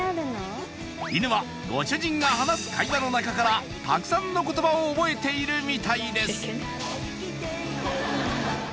犬はご主人が話す会話の中からたくさんの言葉を覚えているみたいです・